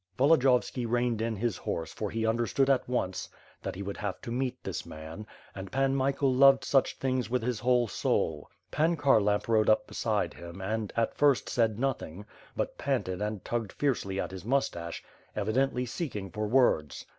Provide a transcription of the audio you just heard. Volo diyovski reined in his horse for he understood at once that he would have to meet this man; and Pan Michael loved such things with his whole soul. Pan Kharlamp rode up beside him and, at first, said nothing; but panted and tugged fiercely at his moustache, evidently seeking for words.